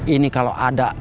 ini kalau ada